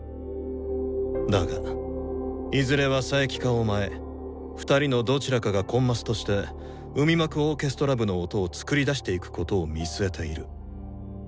だがいずれは佐伯かお前２人のどちらかがコンマスとして海幕オーケストラ部の音を創り出していくことを見据えている。